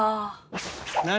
何？